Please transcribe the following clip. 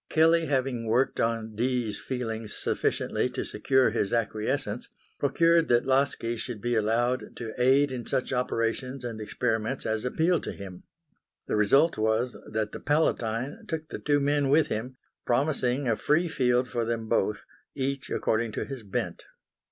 Kelley having worked on Dee's feelings sufficiently to secure his acquiescence, procured that Laski should be allowed to aid in such operations and experiments as appealed to him. The result was that the Palatine took the two men with him, promising a free field for them both, each according to his bent.